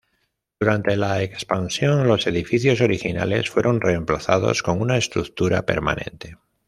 Durante la expansión, los edificios originales fueron reemplazados con una estructura permanente.